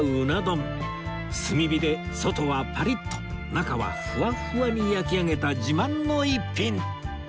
炭火で外はパリッと中はふわっふわに焼き上げた自慢の逸品